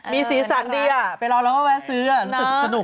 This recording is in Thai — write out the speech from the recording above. มีสีสันดีไปร้องเราก็มาซื้อรู้สึกสนุก